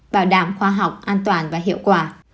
bảo đảm khoa học an toàn và hiệu quả